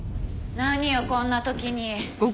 何よこんな時に。